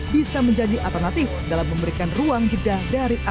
bisa menjadi atas kota yang terkenal di indonesia